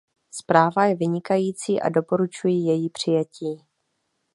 Zpráva je vynikající a doporučuji její přijetí.